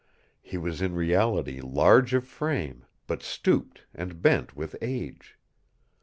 He was in reality large of frame, but stooped and bent with age.